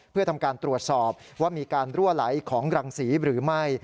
เพื่อทำการตรวจสอบว่ามีการรั่วไหลของรังศรีหรือไม่